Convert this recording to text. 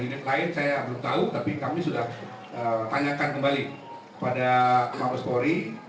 unit lain saya belum tahu tapi kami sudah tanyakan kembali pada mabes polri